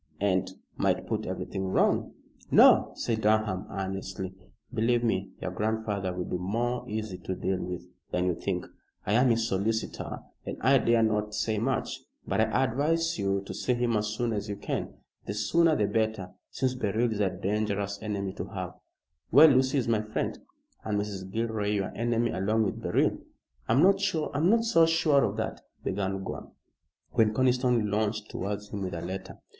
"And might put everything wrong." "No," said Durham, earnestly, "believe me, your grandfather will be more easy to deal with than you think. I am his solicitor and I dare not say much, but I advise you to see him as soon as you can. The sooner the better, since Beryl is a dangerous enemy to have." "Well, Lucy is my friend." "And Mrs. Gilroy your enemy along with Beryl." "I'm not so sure of that," began Gore, when Conniston lounged towards him with a letter.